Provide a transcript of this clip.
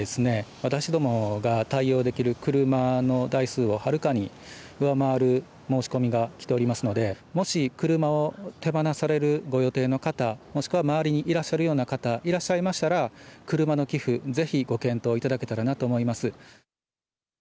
私どもが対応できる車の台数をはるかに上回る申し込みがきておりますのでもし車を手放されるご予定の方もしくは周りにいらっしゃるような方いらっしゃいましたら車の寄付、ぜひご検討いただけたらなと思います。